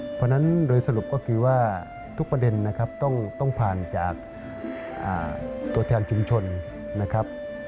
เพราะฉะนั้นโดยสรุปก็คือว่าทุกประเด็นนะครับต้องผ่านจากตัวแทนชุมชนนะครับ